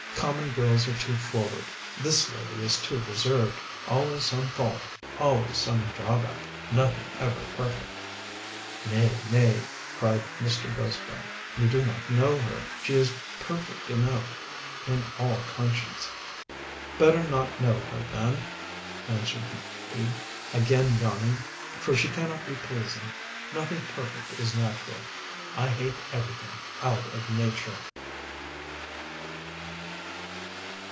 common girls are too forward, this lady is too reserved always some fault! always some drawback! nothing ever perfect!" "Nay, nay," cried Mr. Gosport, "you do not know her; she is perfect enough, in all conscience." "Better not know her then," answered he, again yawning, "for she cannot be pleasing. Nothing perfect is natural, I hate everything out of nature."